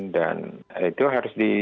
dan itu harus